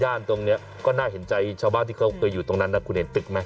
ตรงนี้ก็น่าเห็นใจชาวบ้านที่เขาเคยอยู่ตรงนั้นนะคุณเห็นตึกไหม